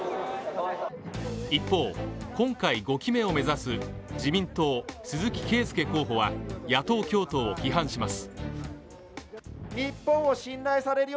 一方、今回５期目を目指す自民党・鈴木馨祐候補は野党共闘を批判します。